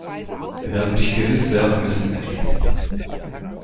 Wir werden Dich gewiss sehr vermissen, Eddy.